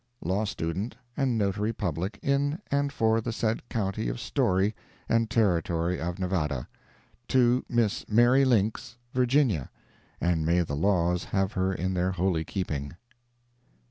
Law Student, and Notary Public in and for the said County of Storey, and Territory of Nevada. To Miss Mary Links, Virginia (and may the laws have her in their holy keeping).